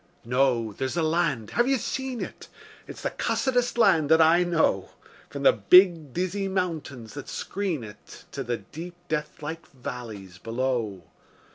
No! There's the land. (Have you seen it?) It's the cussedest land that I know, From the big, dizzy mountains that screen it To the deep, deathlike valleys below.